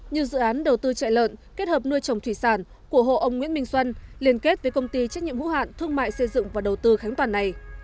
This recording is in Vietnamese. như dự án đầu tư chạy lợn kết hợp nuôi trồng thủy sản của hộ ông nguyễn minh xuân liên kết với công ty trách nhiệm hữu hạn thương mại xây dựng và đầu tư khánh toàn này